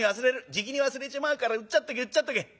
じきに忘れちまうからうっちゃっとけうっちゃっとけ」。